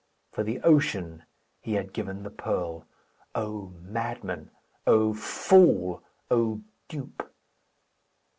For the ocean he had given the pearl. O madman! O fool! O dupe!